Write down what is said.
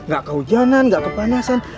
gak kehujanan gak kepanasan